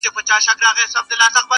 چي که مړ سوم زه به څرنګه یادېږم؟-